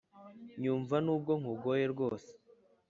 Nyumva nubwo nkugoye rwose